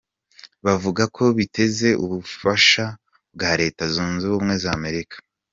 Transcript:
Bavuga ko biteze ubufasha bwa Leta Zunze Ubumwe za Amerika.